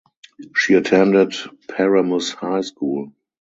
She attended Paramus High School.